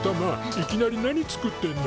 いきなり何作ってんの？